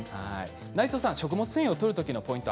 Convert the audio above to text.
内藤さん食物繊維をとる時のポイント